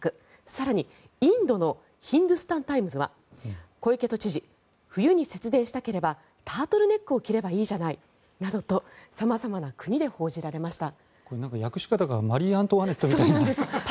更に、インドのヒンドゥスタン・タイムズは小池都知事、冬に節電したければタートルネックを着ればいいじゃないなどと様々な国で報じられました。